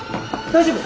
大丈夫？